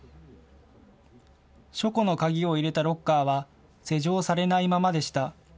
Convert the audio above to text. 書庫の鍵を入れたロッカーは施錠されないままでした。